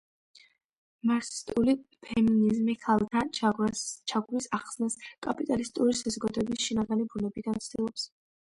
მარქსისტული ფემინიზმი ქალთა ჩაგვრის ახსნას კაპიტალისტური საზოგადოების შინაგანი ბუნებიდან ცდილობს.